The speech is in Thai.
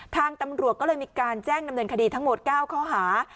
ทางตำรวจก็เลยมีการแจ้งดำเนินคดีทั้งหมด๙ข้อหา